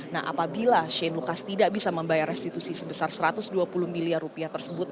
nah apabila shane lucas tidak bisa membayar restitusi sebesar satu ratus dua puluh miliar rupiah tersebut